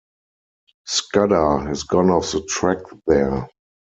Scudder has gone off the track there.